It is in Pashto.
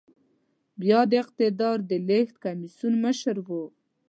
بيا د اقتدار د لېږد کميسيون مشر و.